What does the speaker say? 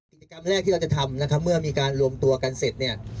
กิจกรรมแรกที่เราจะทำนะครับเมื่อมีการรวมตัวกันเสร็จเนี่ย